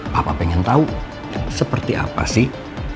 papa pengen tahu seperti apa sih